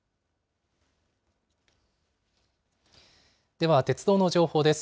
では鉄道の情報です。